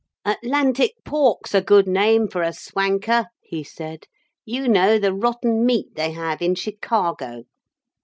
'Atlantic Pork's a good name for a swanker,' he said. 'You know the rotten meat they have in Chicago.'